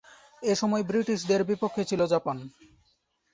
এসময় ব্রিটিশদের বিপক্ষে ছিল জাপান।